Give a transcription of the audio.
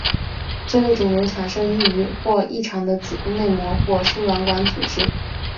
这类肿瘤产生于或异常的子宫内膜或输卵管组织。